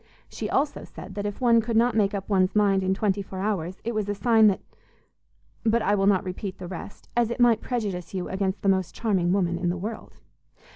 She also said that if one could not make up one's mind in twenty four hours it was a sign that but I will not repeat the rest, as it might prejudice you against the most charming woman in the world.